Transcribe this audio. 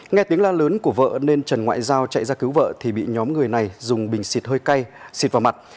nghe tiếng la lớn của vợ nên trần ngoại giao chạy ra cứu vợ thì bị nhóm người này dùng bình xịt hơi cay xịt vào mặt